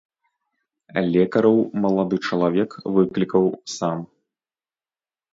Лекараў малады чалавек выклікаў сам.